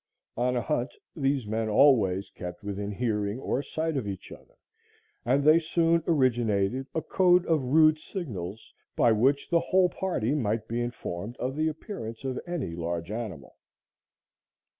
On a hunt these men always kept within hearing or sight of each other, and they soon originated a code of rude signals by which the whole party might be informed of the appearance of any large animal.